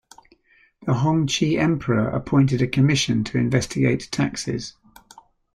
The Hongxi Emperor appointed a commission to investigate taxes.